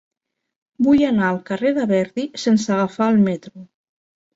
Vull anar al carrer de Verdi sense agafar el metro.